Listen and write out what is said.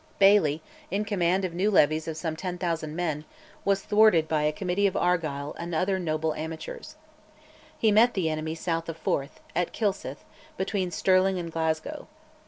Baillie, in command of new levies of some 10,000 men, was thwarted by a committee of Argyll and other noble amateurs. He met the enemy south of Forth, at Kilsyth, between Stirling and Glasgow.